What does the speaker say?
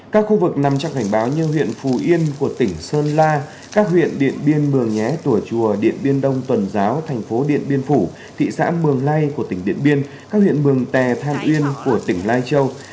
các khu vực nằm trong cảnh báo như huyện phù yên của tỉnh sơn la các huyện điện biên mường nhé tùa chùa điện biên đông tuần giáo thành phố điện biên phủ thị xã mường lây của tỉnh điện biên các huyện mường tè than uyên của tỉnh lai châu